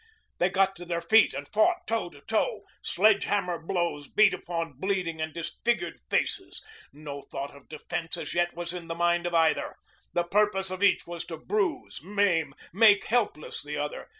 They got to their feet and fought toe to toe. Sledge hammer blows beat upon bleeding and disfigured faces. No thought of defense as yet was in the mind of either. The purpose of each was to bruise, maim, make helpless the other.